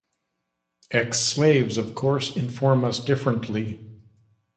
Ex-slaves, of course, inform us differently.